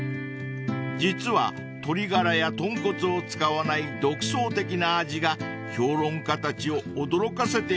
［実は鶏ガラや豚骨を使わない独創的な味が評論家たちを驚かせているんだそうです］